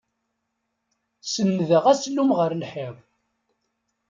Senndeɣ asellum ɣer lḥiḍ.